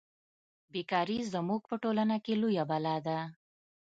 بې کاري زموږ په ټولنه کې لویه بلا ده